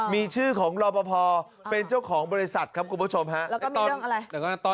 มีชื่อของลบพอเป็นเจ้าของบริษัทครับคุณผู้ชมฮะ